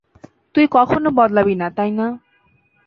তুই কখনও বদলাবি না, তাই না?